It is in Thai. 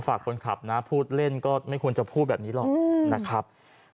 ฝากคนขับนะพูดเล่นก็ไม่ควรจะพูดแบบนี้หรอกนะครับ